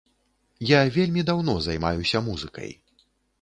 Я вельмі даўно займаюся музыкай.